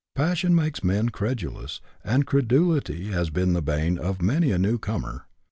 Passion makes men credulous, and credulity has been the bane of many a new comer.